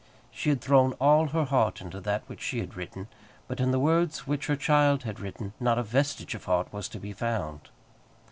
She had thrown all her heart into that which she had written, but in the words which her child had written not a vestige of heart was to be found.